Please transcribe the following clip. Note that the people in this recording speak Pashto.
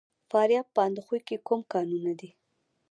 د فاریاب په اندخوی کې کوم کانونه دي؟